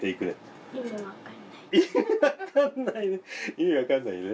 意味わかんないね！